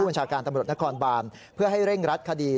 ชาการตำรวจนครบานเพื่อให้เร่งรัดคดี